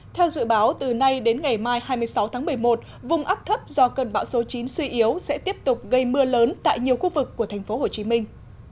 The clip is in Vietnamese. theo dự báo từ nay đến ngày mai hai mươi sáu tháng một mươi một vùng áp thấp do cơn bão số chín suy yếu sẽ tiếp tục gây mưa lớn tại nhiều khu vực của thành phố hồ chí minh